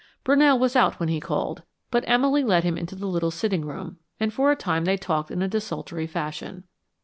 Brunell was out when he called, but Emily led him into the little sitting room, and for a time they talked in a desultory fashion.